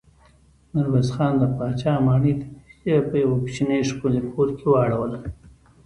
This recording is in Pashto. ميرويس خان د پاچا ماڼۍ ته نږدې په يوه کوچيني ښکلي کور کې واړول.